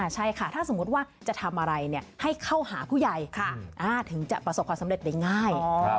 ใช่ค่ะถ้าสมมุติว่าจะทำอะไรให้เข้าหาผู้ใหญ่ถึงจะประสบความสำเร็จได้ง่าย